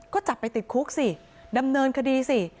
ก็จับไปติดคุกสิดำเนินคดีสิ